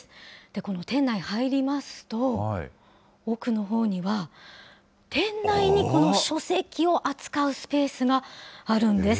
この店内入りますと、奥のほうには店内にこの書籍を扱うスペースがあるんです。